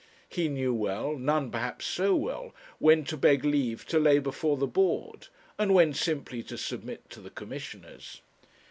He knew well, none perhaps so well, when to beg leave to lay before the Board and when simply to submit to the Commissioners.